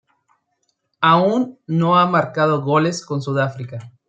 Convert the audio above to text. Aún no ha marcado goles con Sudáfrica.